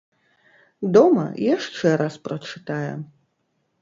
Дома яшчэ раз прачытае.